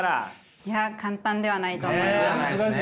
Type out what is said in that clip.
いや簡単ではないと思います。